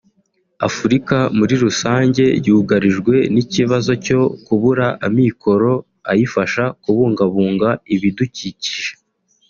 Afurika muri rusange yugarijwe n’ikibazo cyo kubura amikoro ayifasha kubungabunga ibidukikije